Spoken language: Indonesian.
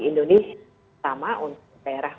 indonesia sama untuk daerah